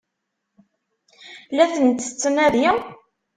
La tent-tettnadi?